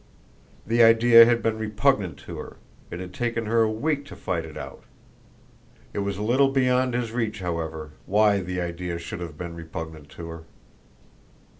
The idea had been repugnant to her. It had taken her a week to fight it out. It was a little beyond his reach, however, why the idea should have been repugnant to her.